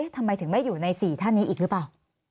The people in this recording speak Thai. ทำไมถึงไม่อยู่ใน๔ท่านนี้อีกหรือเปล่า